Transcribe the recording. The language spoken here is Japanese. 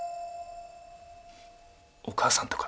お母さんとか。